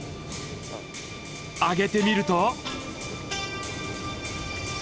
上げてみると。